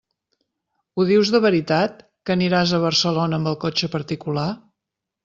Ho dius de veritat que aniràs a Barcelona amb el cotxe particular?